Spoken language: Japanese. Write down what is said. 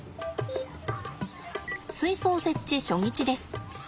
水槽設置初日です。